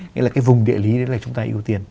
nghĩa là cái vùng địa lý đấy là chúng ta ưu tiên